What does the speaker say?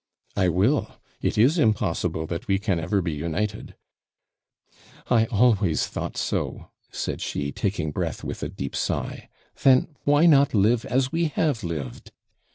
'I will it is impossible that we can ever be united.' 'I always thought so,' said she, taking breath with a deep sigh. 'Then why not live as we have lived?'